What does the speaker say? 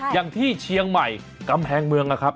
อย่างที่เชียงใหม่กำแพงเมืองนะครับ